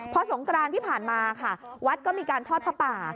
พอสงกรานที่ผ่านมาค่ะวัดก็มีการทอดผ้าป่า